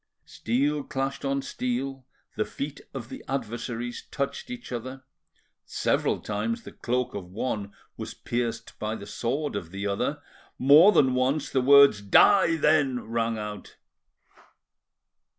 Steel clashed on steel, the feet of the adversaries touched each other, several times the cloak of one was pierced by the sword of the other, more than once the words "Die then!" rang out.